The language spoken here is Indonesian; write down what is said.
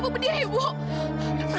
saya tinggal dulu ya